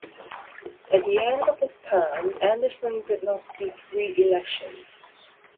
At the end of his term, Anderson did not seek re-election.